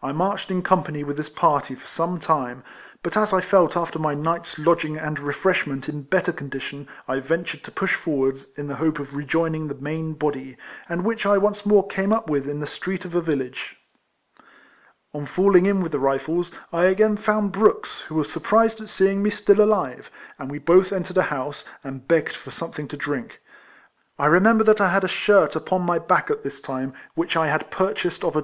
I marched in company with this party for some time, but as I felt after my night's lodging and refreshment in better condition I ventured to push forwards, in the hope of rejoining the main body, and Avhich I once more came up with in the street of a village. On falling in with the Rifles, I again found Brooks, who was surprised at seeing me still alive ; and we both entered a house, and begged for something to drink. I re member that I had a shirt upon my back at this time, which I had purchased of a RIFLEMAN HARRIS.